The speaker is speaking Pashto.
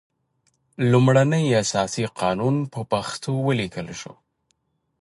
لومړنی اساسي قانون په پښتو ولیکل شول.